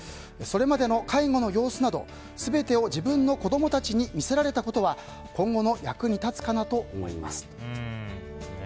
それまでの介護の様子など全てを自分の子供たちに見せられたことは今後の役に立つかなと思います。